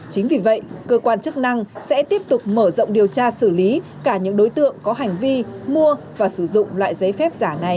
chính vì vậy cơ quan chức năng sẽ tiếp tục mở rộng điều tra xử lý cả những đối tượng có hành vi mua và sử dụng loại giấy phép giả này